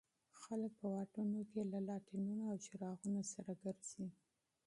خلک په واټونو کې له لاټېنونو او څراغونو سره ګرځي.